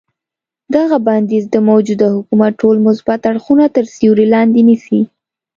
دغه بندیز د موجوده حکومت ټول مثبت اړخونه تر سیوري لاندې نیسي.